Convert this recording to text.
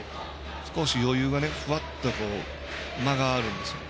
少し余裕がふわっと間があるんですよ。